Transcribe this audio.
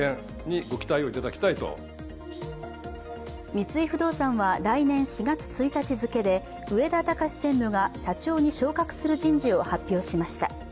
三井不動産は来年４月１日付で植田俊専務が社長に昇格する人事を発表しました。